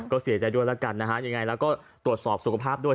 ก็เสียใจด้วยแล้วกันนะฮะยังไงแล้วก็ตรวจสอบสุขภาพด้วย